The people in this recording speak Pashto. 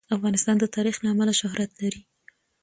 افغانستان د تاریخ له امله شهرت لري.